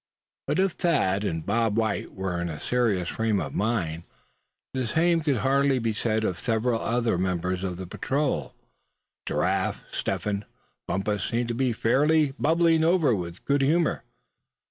But if Thad and Bob White were in a serious frame of mind, the same could hardly be said of several other members of the patrol. Giraffe, Step Hen and Bumpus seemed to be fairly bubbling over with good humor.